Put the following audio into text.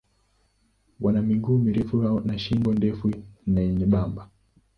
Wana miguu mirefu na shingo ndefu na nyembamba.